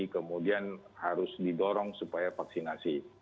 kemudian harus didorong supaya vaksinasi